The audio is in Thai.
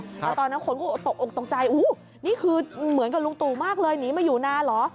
แล้วตอนนั้นคนก็ตกออกตกใจนี่คือเหมือนกับลุงตู่มากเลยหนีมาอยู่นานเหรอ